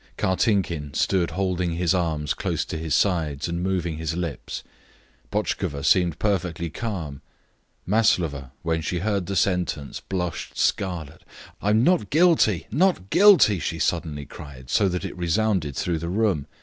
Kartinkin stood holding his arms close to his sides and moving his lips. Botchkova seemed perfectly calm. Maslova, when she heard the sentence, blushed scarlet. "I'm not guilty, not guilty!" she suddenly cried, so that it resounded through the room.